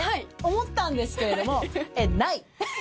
思ったんですけれども。